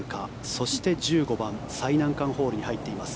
そして１５番、最難関ホールに入っています。